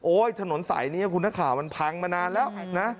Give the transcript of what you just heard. ถนนสายนี้คุณนักข่าวมันพังมานานแล้วนะ